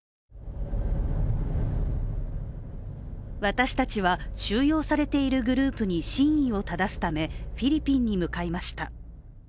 私たちは収容されているグループに真意をただすためフィリピンに向かいました。